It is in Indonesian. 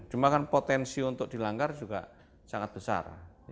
cuma kan potensi untuk dilanggar juga sangat besar